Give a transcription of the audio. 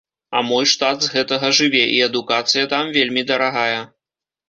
А мой штат з гэтага жыве, і адукацыя там вельмі дарагая.